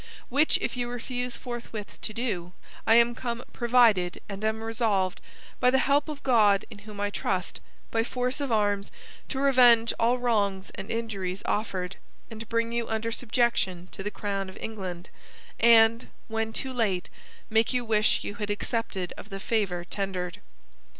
Which, if you refuse forthwith to do, I am come provided and am resolved, by the help of God in whom I trust, by force of arms to revenge all wrongs and injuries offered, and bring you under subjection to the Crown of England, and, when too late, make you wish you had accepted of the favour tendered.